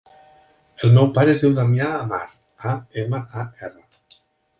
El meu pare es diu Damià Amar: a, ema, a, erra.